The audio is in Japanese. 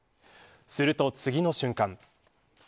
すると次の瞬間。